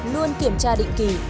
luôn kiểm tra định kỳ